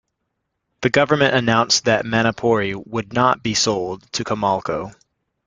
The government announced that Manapouri would not be sold to Comalco.